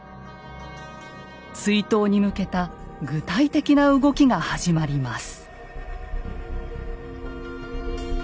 追討に向けた具体的な動きが始まります。